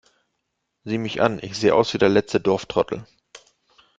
Sieh mich an, ich sehe aus wie der letzte Dorftrottel!